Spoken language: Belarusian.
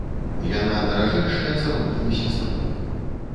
Яна даражэйшая за родную сястру.